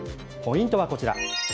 ポイントはこちら。